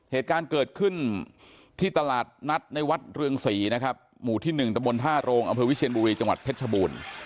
เหตุการณ์เกิดขึ้นที่ตลาดนัดในวัดเรืองศรีนะครับหมู่ที่๑ตะบนท่าโรงอำเภอวิเชียนบุรีจังหวัดเพชรชบูรณ์